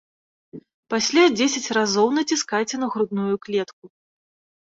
Пасля дзесяць разоў націскайце на грудную клетку.